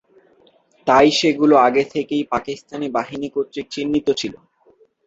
তাই সেগুলো আগে থেকেই পাকিস্তানি বাহিনী কর্তৃক চিহ্নিত ছিল।